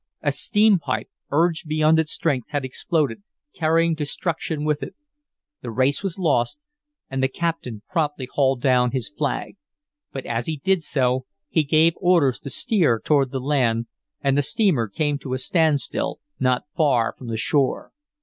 A steam pipe, urged beyond its strength, had exploded, carrying destruction with it. The race was lost, and the captain promptly hauled down his flag. But as he did so, he gave orders to steer toward the land, and the steamer came to a standstill not far from the shore.